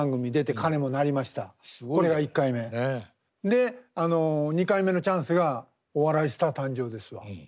で２回目のチャンスが「お笑いスター誕生！！」ですわ。